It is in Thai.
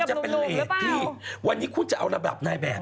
จะเป็นเลสที่วันนี้คุณจะเอาระดับนายแบบ